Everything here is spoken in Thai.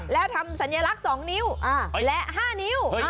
แล้วทำสัญลักษณ์๒นิ้วและ๕นิ้ว